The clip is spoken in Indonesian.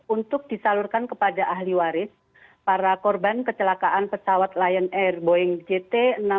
untuk disalurkan kepada ahli waris para korban kecelakaan pesawat lion air boeing jt enam ratus sepuluh